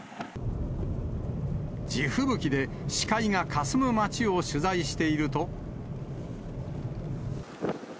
地吹雪で視界がかすむ街を取材していると。